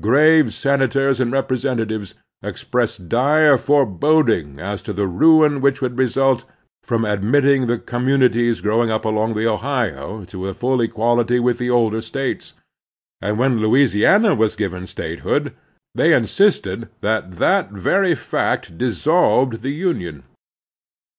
Grave senators and repre sentatives expressed dire foreboding as to the ruin which would result from admitting the communi ties growing up along the Ohio to a full equality with the older States; and when Louisiana was given statehood, they insisted that that very fact 336 The Strenuous Life dissolved the Union